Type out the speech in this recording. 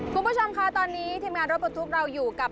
คุณผู้ชมค่ะตอนนี้ทีมงานรถปลดทุกข์เราอยู่กับ